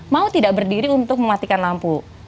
mau tidak berdiri untuk mematikan lampu